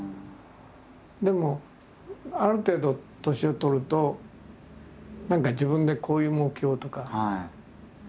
でもある程度年を取ると何か自分でこういう目標とか。